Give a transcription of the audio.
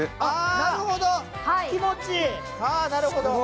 なるほど、気持ちいい。